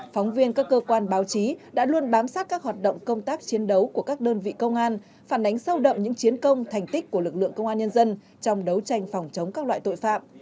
phóng viên các cơ quan báo chí đã luôn bám sát các hoạt động công tác chiến đấu của các đơn vị công an phản ánh sâu đậm những chiến công thành tích của lực lượng công an nhân dân trong đấu tranh phòng chống các loại tội phạm